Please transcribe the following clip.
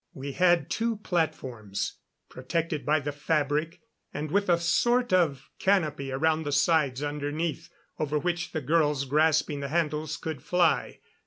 We had two platforms, protected by the fabric, and with a sort of canopy around the sides underneath, over which the girls grasping the handles could fly.